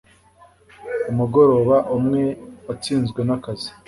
Umugoroba umwe watsinzwe nakazi